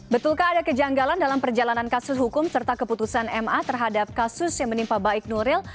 betulkah ada kejanggalan dalam perjalanan kasus hukum serta keputusan ma terhadap kasus yang menimpa baik nuril